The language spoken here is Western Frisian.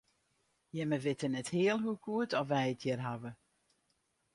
Jimme witte net heal hoe goed oft wy it hjir hawwe.